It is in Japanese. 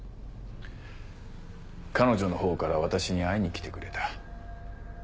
彼女のほうから私に会いに来てくれた。